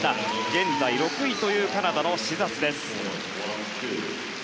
現在６位というカナダのシザス。